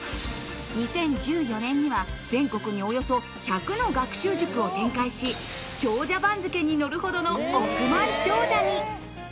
２０１４年には全国におよそ１００の学習塾を展開し、長者番付に載るほどの億万長者に。